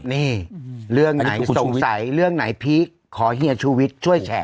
เนี่ยเรื่องไหนสงสัยเลือกไหนพีคขอเหี้ยชุวิตช่วยแชมป์